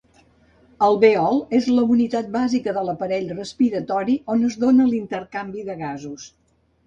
Alvèol és la unitat bàsica de l'aparell respiratori, on es dóna l'intercanvi de gasos.